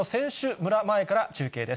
村前から中継です。